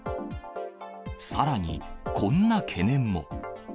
さらにこんな懸念も。